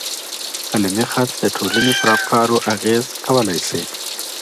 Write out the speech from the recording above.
قلمي خط د ټولني پر افکارو اغیز کولای سي.